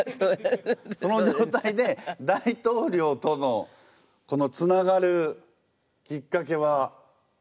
そのじょうたいで大統領とのこのつながるきっかけは？